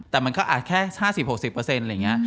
แต่มันก็อาจแค่๕๐๖๐อะไรอย่างนี้